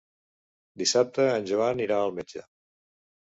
Dissabte en Joan irà al metge.